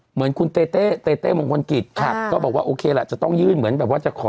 เหมือนคุณเต้เต้เต้มงคลกิจก็บอกว่าโอเคแหละจะต้องยื่นเหมือนแบบว่าจะขอ